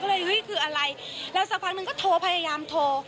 ก็เลยเฮ้ยคืออะไรแล้วสักพักนึงก็โทรพยายามโทร